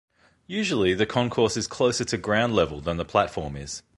Usually, the concourse is closer to ground level than the platform level is.